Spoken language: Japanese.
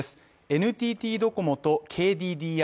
ＮＴＴドコモとＫＤＤＩ